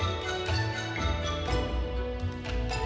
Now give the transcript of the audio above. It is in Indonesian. aku juga tidak mencand cognitive that day